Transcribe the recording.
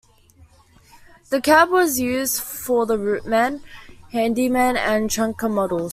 The cab was used for the Routeman, Handyman and Trunker models.